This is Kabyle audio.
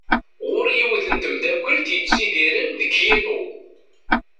Ɣur-i yiwet n tmeddakelt yettidiren deg Kyito.